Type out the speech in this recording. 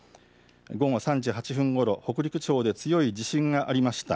午後３時８分ごろ北陸地方で強い地震がありました。